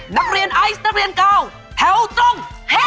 นักเรียนไอซ์นักเรียนเก่าแถวตรง